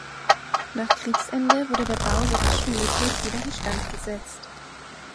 Nach Kriegsende wurde der Bau so rasch wie möglich wieder in Stand gesetzt.